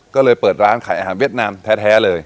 ก็เลยเปิดร้านขายอาหารเวียดนามแท้เลย